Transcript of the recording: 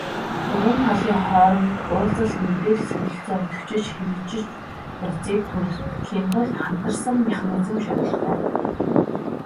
Гурван талын хооронд уулзалт, мэдээлэл солилцоо идэвхжиж, хэрэгжих явцыг түргэтгэхийн тулд хамтарсан механизм шаардлагатай.